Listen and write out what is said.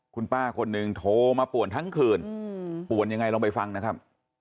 คุณป้าคนหนึ่งโทรมาป่วนทั้งคืนป่วนยังไงลองไปฟังนะครับ